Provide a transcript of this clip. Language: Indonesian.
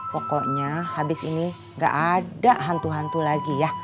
pokoknya habis ini gak ada hantu hantu lagi ya